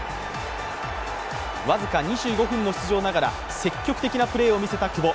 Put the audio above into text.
僅か２５分の出場ながら積極的なプレーを見せた久保。